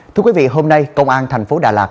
thưa quý vị hôm nay công an thành phố đà lạt